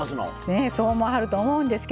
ねえそう思わはると思うんですけどね